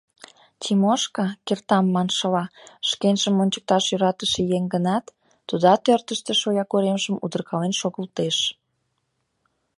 Тимошка, кертам маншыла, шкенжым ончыкташ йӧратыше еҥ гынат, тудат ӧрдыжтӧ шоягоремжым удыркален шогылтеш.